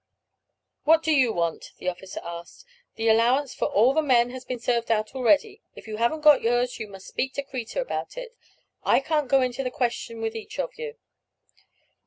"What do you want?" the officer asked. "The allowance for all the men has been served out already; if you haven't got yours you must speak to Kreta about it. I can't go into the question with each of you."